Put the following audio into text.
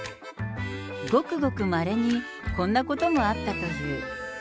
ごくごくまれにこんなこともあったという。